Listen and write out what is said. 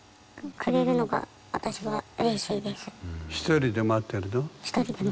１人で待ってます。